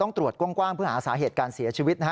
ต้องตรวจกว้างเพื่อหาสาเหตุการเสียชีวิต